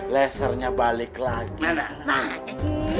lasernya balik lagi